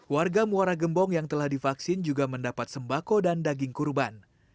warga muara gembong yang telah divaksin juga mendapat sembako dan daging kurban